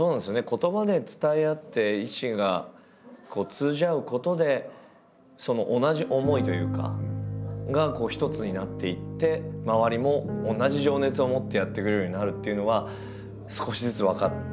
言葉で伝え合って意思が通じ合うことで同じ思いというかが一つになっていって周りも同じ情熱を持ってやってくれるようになるっていうのは少しずつ分かって。